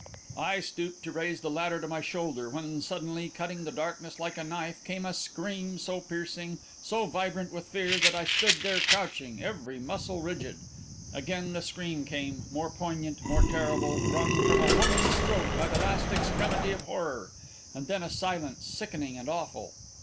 I stooped to raise the ladder to my shoulder, when suddenly, cutting the darkness like a knife, came a scream so piercing, so vibrant with fear, that I stood there crouching, every muscle rigid. Again the scream came, more poignant, more terrible, wrung from a woman's throat by the last extremity of horror; and then a silence sickening and awful.